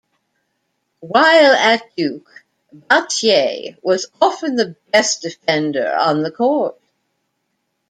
While at Duke, Battier was often the best defender on the court.